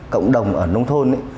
cộng đồng ở nông thôn